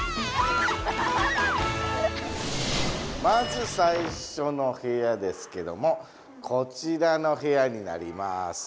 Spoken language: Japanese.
まずさいしょのへやですけどもこちらのへやになります。